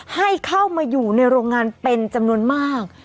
ให้เข้ามาอยู่ในโรงงานเป็นจำนวนมาก